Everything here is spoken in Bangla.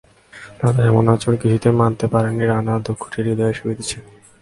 তাদের এমন আচরণ কিছুতেই মানতে পারেননি রানা, দুঃখটা হৃদয়ে এসে বিঁধেছে।